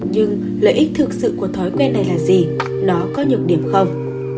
nhưng lợi ích thực sự của thói quen này là gì nó có nhược điểm không